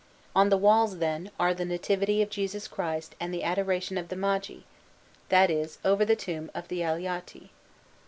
On the walls, then, are the Nativity of Jesus Christ and the Adoration of the Magi that is, over the tomb of the Aliotti.